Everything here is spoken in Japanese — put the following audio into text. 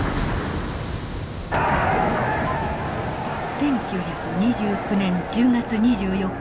１９２９年１０月２４日。